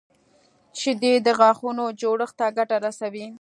شیدې د غاښونو جوړښت ته ګټه رسوي